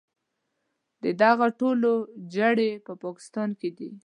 د دغو ټولو جرړې په پاکستان کې دي.